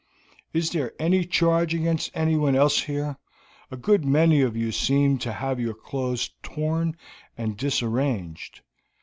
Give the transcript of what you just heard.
"Is there any charge against anyone else here? A good many of you seem to have your clothes torn and disarranged."